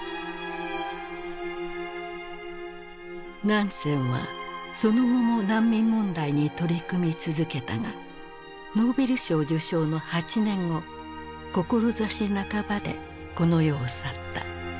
ナンセンはその後も難民問題に取り組み続けたがノーベル賞受賞の８年後志半ばでこの世を去った。